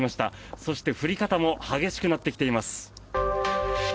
そして、降り方も激しくなってきています。